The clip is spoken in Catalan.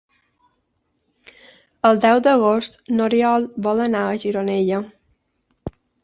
El deu d'agost n'Oriol vol anar a Gironella.